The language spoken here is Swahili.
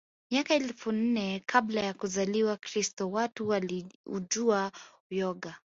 Miaka elfu nne kabla ya kuzaliwa Kristo watu waliujua uyoga